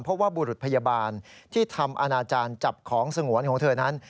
เพราะว่าบุรุษพยาบาลที่ทำอาณาจารย์จับของสงวนของเธอนั้น